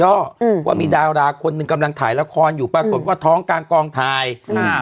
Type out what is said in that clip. ก็อืมว่ามีดาราคนหนึ่งกำลังถ่ายละครอยู่ปรากฏว่าท้องกลางกองถ่ายอ่า